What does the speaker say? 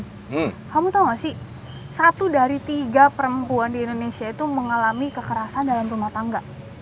kamu tahu gak sih satu dari tiga perempuan di indonesia itu mengalami kekerasan dalam rumah tangga